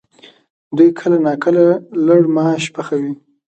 دوی کله ناکله لړماش پخوي؟